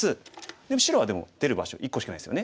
でも白は出る場所１個しかないですよね。